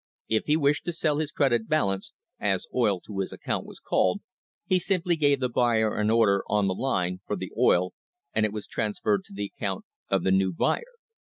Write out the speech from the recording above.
If he wished to sell his "credit balance," as oil to his account was called, he sim ply gave the buyer an order on the line for the oil, and it was tranferred to the account of the new buyer.